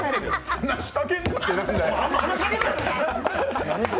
話しかけんなって何なんだよ！